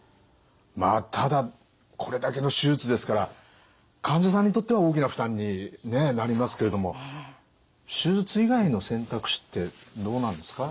まあただこれだけの手術ですから患者さんにとっては大きな負担になりますけれども手術以外の選択肢ってどうなんですか？